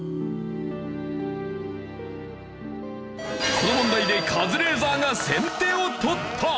この問題でカズレーザーが先手を取った！